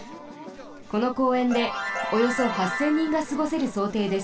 この公園でおよそ８，０００人がすごせるそうていです。